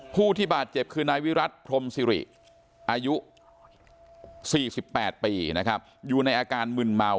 ผู้ที่บาดเจ็บคือนายวิรัติพรมสิริอายุ๔๘ปีนะครับอยู่ในอาการมึนเมา